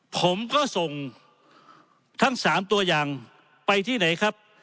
ผมก็ส่งทั้ง๓ตัวอย่างไปที่ไหนครับ